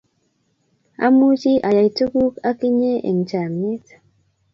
Amuchi ayai tugul ak inye eng chamnyet